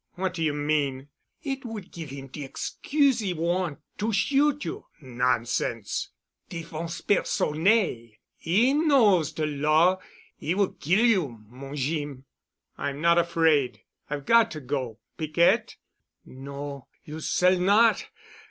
"What do you mean?" "It would give him de excuse he want' to shoot you——" "Nonsense." "Defense personnelle. He knows de law. He will kill you, mon Jeem." "I'm not afraid. I've got to go, Piquette——" "No. You s'all not.